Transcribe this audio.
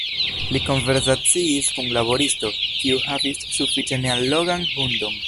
Li konversaciis kun laboristo, kiu havis sufiĉe neallogan hundon.